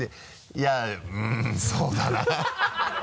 いやうんそうだな